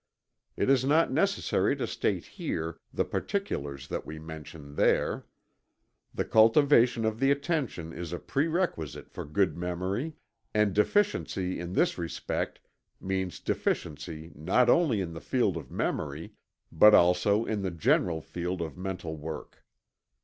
It is not necessary to state here the particulars that we mention there. The cultivation of the attention is a prerequisite for good memory, and deficiency in this respect means deficiency not only in the field of memory but also in the general field of mental work.